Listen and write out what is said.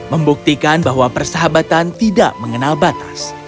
membuktikan bahwa persahabatan tidak mengenal batas